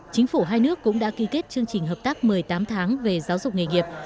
chính phủ hai nước cũng đã ký kết chương trình hợp tác một mươi tám tháng về giáo dục nghề nghiệp